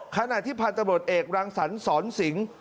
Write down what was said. ขณะที่พันธบทเอกรังศรศรซิงศ์